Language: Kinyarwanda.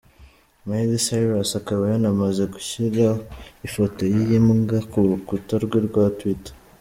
Miley Cyrus akaba yanamaze gushyira ifoto y’iyi mbwa ku rukuta rwe rwa Twitter.